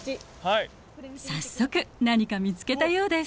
早速何か見つけたようです。